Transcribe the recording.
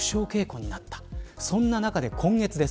そんな中で今月です。